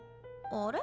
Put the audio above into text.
あれ？